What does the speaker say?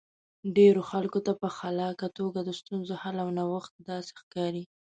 ډېرو خلکو ته په خلاقه توګه د ستونزې حل او نوښت داسې ښکاري.